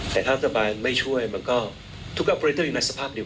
แต่ถ้าต่อไปไม่ช่วยมันก็ทุกอัปโปรเตอร์อยู่ในสภาพเดียว